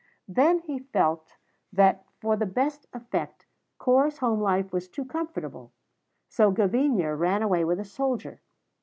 Then he felt that, for the best effect, Corp's home life was too comfortable; so Gavinia ran away with a soldier.